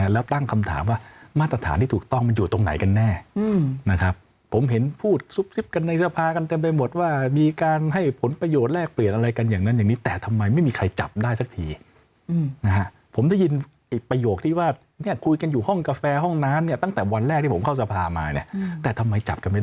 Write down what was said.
แล้วตั้งคำถามว่ามาตรฐานที่ถูกต้องมันอยู่ตรงไหนกันแน่นะครับผมเห็นพูดซุบซิบกันในสภากันเต็มไปหมดว่ามีการให้ผลประโยชน์แลกเปลี่ยนอะไรกันอย่างนั้นอย่างนี้แต่ทำไมไม่มีใครจับได้สักทีนะฮะผมได้ยินอีกประโยคที่ว่าเนี่ยคุยกันอยู่ห้องกาแฟห้องน้ำเนี่ยตั้งแต่วันแรกที่ผมเข้าสภามาเนี่ยแต่ทำไมจับกันไม่ได้